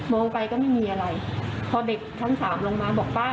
ไปก็ไม่มีอะไรพอเด็กชั้นสามลงมาบอกป้า